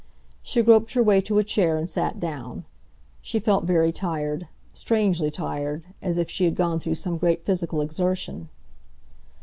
She groped her way to a chair and sat down. She felt very tired—strangely tired, as if she had gone through some great physical exertion.